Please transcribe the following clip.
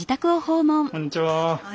こんにちは。